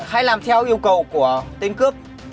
hãy làm theo yêu cầu của tên cướp